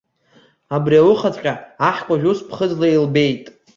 Абри аухаҵәҟьа аҳкәажә ус ԥхыӡла илбеит.